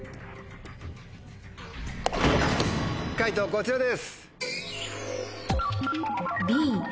解答こちらです。